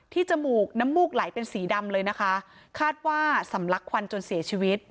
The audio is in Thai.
จมูกน้ำมูกไหลเป็นสีดำเลยนะคะคาดว่าสำลักควันจนเสียชีวิต